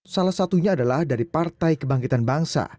salah satunya adalah dari partai kebangkitan bangsa